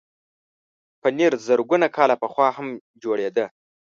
پنېر زرګونه کاله پخوا هم جوړېده.